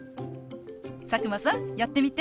佐久間さんやってみて。